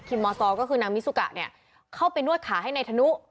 ในคิมมอสรก็คือนางมิสุกะเข้าไปนวดขาให้นายธนุ